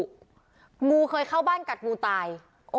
งูเคยเข้าบ้านกัดงูตาย